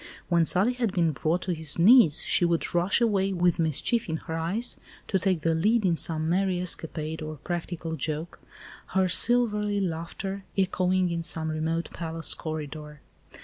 When Sully had been brought to his knees, she would rush away, with mischief in her eyes, to take the lead in some merry escapade or practical joke, her silvery laughter echoing in some remote palace corridor.